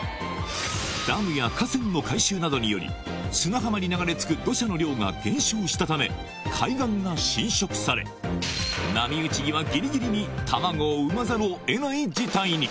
ダムや河川の改修などにより、砂浜に流れ着く土砂の量が減少したため、海岸が浸食され、波打ち際ぎりぎりに卵を産まざるをえない事態に。